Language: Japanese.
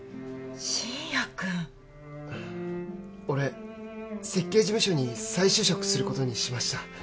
信也君俺設計事務所に再就職することにしました